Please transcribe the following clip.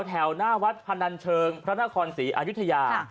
แถวหน้าวัดพนันเชิงพระนครศรีอายุทยา